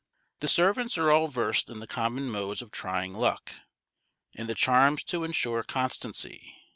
The servants are all versed in the common modes of trying luck, and the charms to ensure constancy.